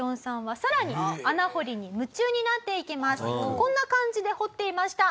こんな感じで掘っていました。